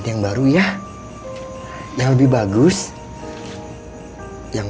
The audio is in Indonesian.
tentang procoknya yang silahkan